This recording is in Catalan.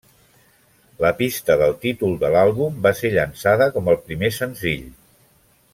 La pista del títol de l'àlbum va ser llançada com el primer senzill.